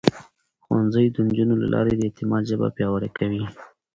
ښوونځی د نجونو له لارې د اعتماد ژبه پياوړې کوي.